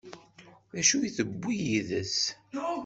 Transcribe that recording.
D acu i d-tewwi yid-s?